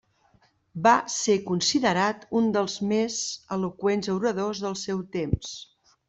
Va ser considerat un dels més eloqüents oradors del seu temps.